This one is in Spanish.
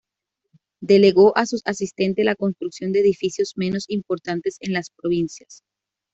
Delegó a sus asistentes la construcción de edificios menos importantes en las provincias.